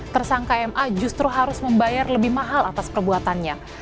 tersangka ma justru harus membayar lebih mahal atas perbuatannya